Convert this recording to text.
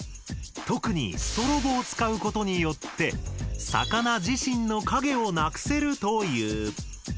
特にストロボを使うことによって魚自身の影をなくせるという。